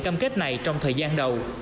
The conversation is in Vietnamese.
cam kết này trong thời gian đầu